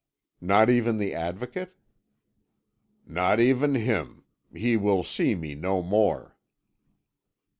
"Not even the Advocate?" "Not even him. He will see me no more."